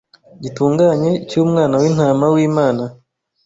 gitunganye cy’Umwana w’intama w,imana